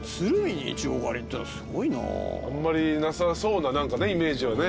あんまりなさそうなイメージはね。